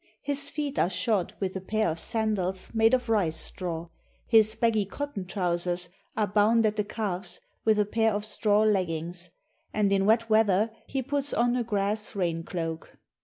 His feet are shod with a pair of sandals made of rice straw, his baggy cotton trousers are bound at the calves with a pair of straw leggings, and in wet weather he puts on a grass rain cloak.